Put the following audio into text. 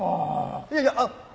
いやいやあっ。